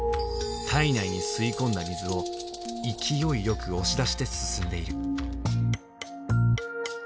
体内に吸い込んだ水を勢いよく押し出して進んでいる。